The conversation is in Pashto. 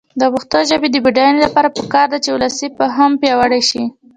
د پښتو ژبې د بډاینې لپاره پکار ده چې ولسي فهم پیاوړی شي.